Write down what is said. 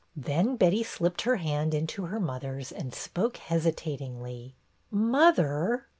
Then Betty slipped her hand into her mother's and spoke hesitatingly. "Mother?"